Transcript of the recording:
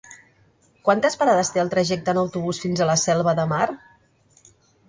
Quantes parades té el trajecte en autobús fins a la Selva de Mar?